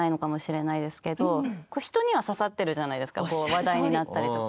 話題になったりとか。